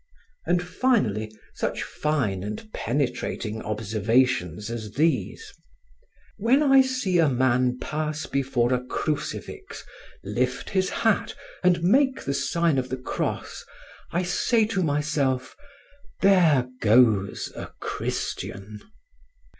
And, finally, such fine and penetrating observations as these: When I see a man pass before a crucifix, lift his hat and make the sign of the Cross, I say to myself, 'There goes a Christian.'